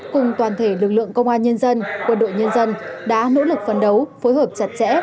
cùng toàn thể lực lượng công an nhân dân quân đội nhân dân đã nỗ lực phấn đấu phối hợp chặt chẽ